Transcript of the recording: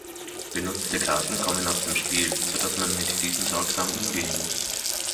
Benutzte Karten kommen aus dem Spiel, so dass man mit diesen sorgsam umgehen muss.